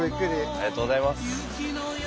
ありがとうございます。